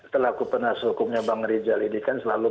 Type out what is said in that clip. telaku penasi hukumnya bang rizal ini kan selalu